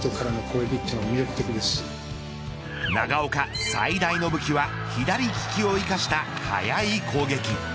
長岡、最大の武器は左利きを生かした速い攻撃。